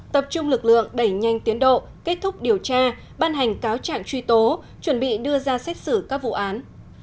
tập trung lực lượng đẩy nhanh tiến độ kết thúc điều tra ban hành cáo trạng truy tố chuẩn bị đưa ra xét xử các vụ án